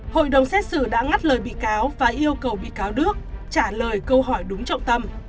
hội đồng xét xử đã ngắt lời bị cáo và yêu cầu bị cáo đức trả lời câu hỏi đúng trọng tâm